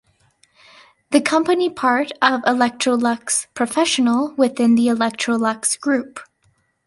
The company part of Electrolux Professional within the Electrolux Group.